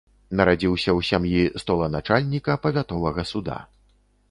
Нарадзіўся ў сям'і столаначальніка павятовага суда.